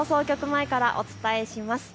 前からお伝えします。